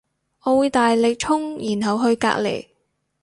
我會大力衝然後去隔籬